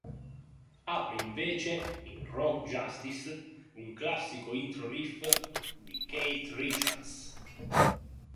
Apre invece in "Rough Justice", un classico intro-riff di Keith Richards.